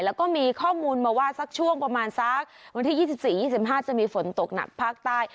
แล้วก็มีข้อมูลมาว่าสักช่วงประมาณสักวันที่๒๔๒๕จะมีฝนตกหนักภาคใต้